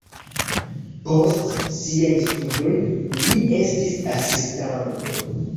Post siaj studoj li estis asistanto.